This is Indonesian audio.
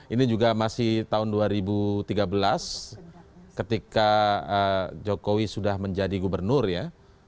ini juga masih tahun dua ribu tiga belas ketika jokowi sudah menjadi gubernur ya